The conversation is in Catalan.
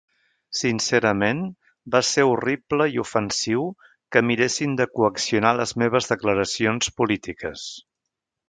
Sincerament, va ser horrible i ofensiu que miressin de coaccionar les meves declaracions polítiques.